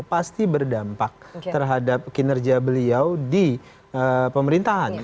pasti berdampak terhadap kinerja beliau di pemerintahan